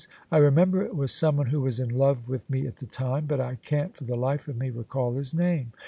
I remember it was someone who was in love with me at the time, but I can't for the life of me recall his name.